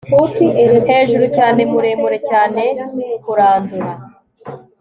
Hejuru cyane muremure cyane kurandura